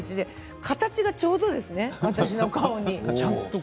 形がちょうどですね、私の顔に。